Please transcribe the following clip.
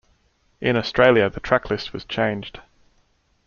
In Australia, the track list was changed.